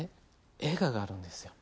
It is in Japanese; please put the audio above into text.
映画があるんですよ。